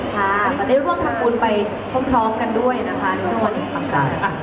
๒๐๑๗ค่ะแล้วได้ร่วมทางคุณไปพร้อมกันด้วยนะคะในช่วงวันอีกครั้ง